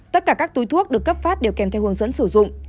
tất cả các túi thuốc được cấp phát đều kèm theo hướng dẫn sử dụng